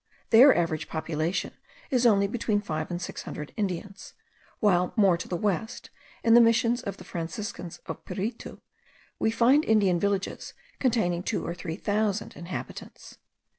Their average population is only between five or six hundred Indians; while more to the west, in the Missions of the Franciscans of Piritu, we find Indian villages containing two or three thousand inhabitants.